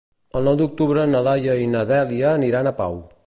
El nou d'octubre na Laia i na Dèlia aniran a Pau.